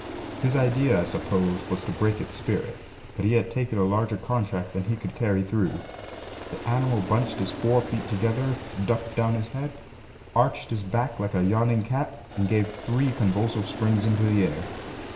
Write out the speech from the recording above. His idea, I suppose, was to break its spirit, but he had taken a larger contract than he could carry through. The animal bunched his four feet together, ducked down his head, arched his back like a yawning cat, and gave three convulsive springs into the air.